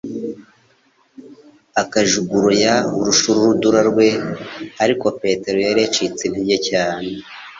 akajuguruya urushurudura rwe. Ariko Petero yari yacitse intege cyane.